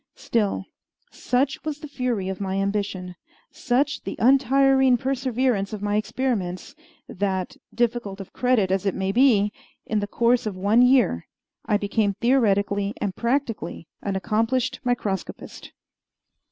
Still, such was the fury of my ambition, such the untiring perseverance of my experiments, that, difficult of credit as it may be, in the course of one year I became theoretically and practically an accomplished microscopist.